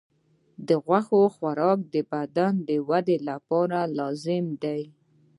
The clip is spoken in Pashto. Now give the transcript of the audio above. د غوښې خوراک د بدن د ودې لپاره لازمي دی.